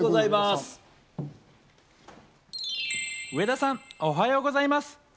上田さん、おはようございます。